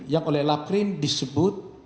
yang oleh laprim disebut